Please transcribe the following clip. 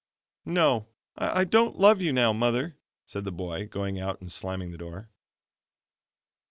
"No, I don't love you now, Mother," said the boy, going out and slamming the door.